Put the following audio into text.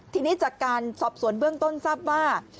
ทีนี้จากการสอบสวนเบื้องต้นทราบว่า